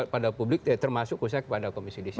pada publik termasuk khususnya kepada komisi judisial